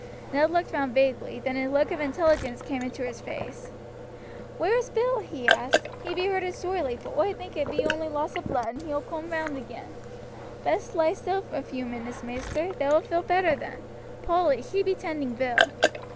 Ned looked round vaguely, then a look of intelligence came into his face. "Where is Bill?" he asked. "He be hurted sorely, but oi think it be only loss o' blood, and he will coom round again; best lie still a few minutes, maister, thou wilt feel better then; Polly, she be tending Bill."